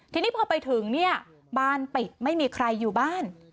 ทีนี้พอไปถึงเนี่ยบ้านปิดไม่มีใครอยู่บ้าน